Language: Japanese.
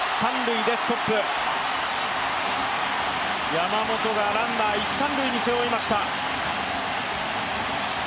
山本がランナー一・三塁に背負いました。